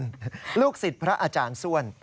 ชมวรรณสิตพระอาจารย์ส้วน